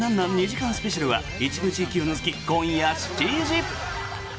２時間スペシャルは一部地域を除き、今夜７時！